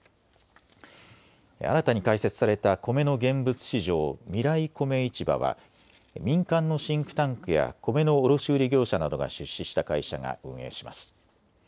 新たに開設されたコメの現物市場、みらい米市場は民間のシンクタンクやコメの卸売業者などが出資した会社が運営します。